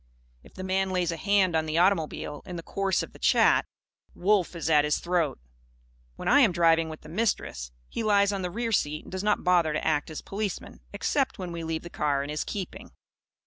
If the man lays a hand on the automobile, in the course of the chat, Wolf is at his throat. When I am driving with the Mistress, he lies on the rear seat and does not bother to act as policeman; except when we leave the car in his keeping.